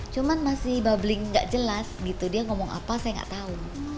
cuman masih bubbling nggak jelas gitu dia ngomong apa saya nggak tahu